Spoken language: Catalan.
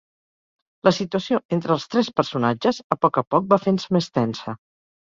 La situació entre els tres personatges, a poc a poc, va fent-se més tensa.